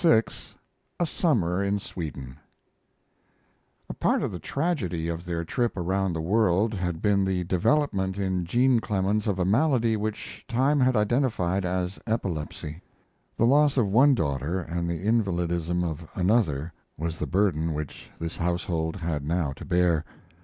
CCVI. A SUMMER IN SWEDEN A part of the tragedy of their trip around the world had been the development in Jean Clemens of a malady which time had identified as epilepsy. The loss of one daughter and the invalidism of another was the burden which this household had now to bear.